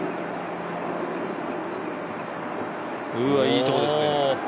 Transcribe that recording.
うわ、いいところですね。